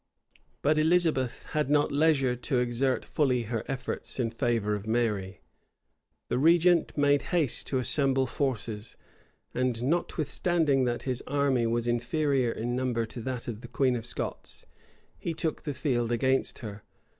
[*] But Elizabeth had not leisure to exert fully her efforts in favor of Mary. The regent made haste to assemble forces; and notwithstanding that his army was inferior in number to that of the queen of Scots, he took the field against her.